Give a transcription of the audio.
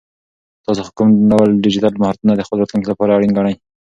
تاسو کوم ډول ډیجیټل مهارتونه د خپل راتلونکي لپاره اړین ګڼئ؟